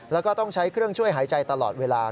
แล้วก็ต้องใช้เครื่องช่วยหายใจตลอดเวลา